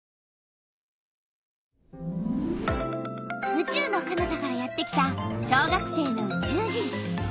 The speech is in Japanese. うちゅうのかなたからやってきた小学生のうちゅう人！